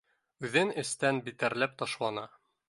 Үҙен эстән битәрләп ташланы